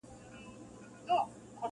• ذخیرې چي پټي نه کړئ په کورو کي -